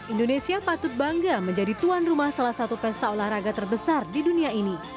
indonesia patut bangga menjadi tuan rumah salah satu pesta olahraga terbesar di dunia ini